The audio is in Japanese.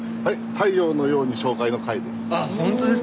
「太陽」の「陽」に「紹介」の「介」です。